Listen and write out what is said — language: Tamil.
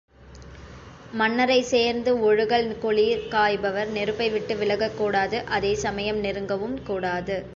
மன்னரைச் சேர்ந்து ஒழுகல் குளிர் காய்பவர் நெருப்பை விட்டு விலகக் கூடாது அதே சமயம் நெருங்கவும் கூடாது.